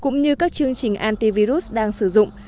cũng như các chương trình antivirus đang sử dụng